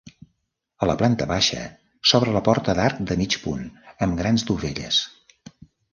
A la planta baixa s'obre la porta d'arc de mig punt amb grans dovelles.